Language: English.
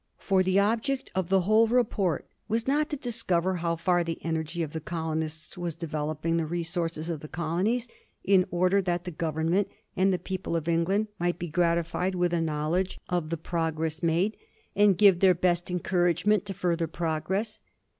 For the object of the whole report was not to discover how far the energy of the colonists was developing the resources of the colonies, in order that the Government and the people of England might be gratified with a knowledge of the Digiti zed by Google 408 A HISTORY OF THE FOUR GEORGES. ch. ix progress made, and give their best encouragement to further progress.